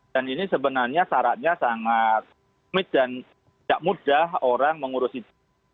dan ini sebenarnya syaratnya sangat mit dan tidak mudah orang mengurus itu